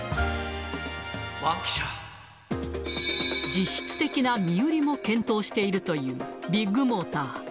実質的な身売りも検討しているというビッグモーター。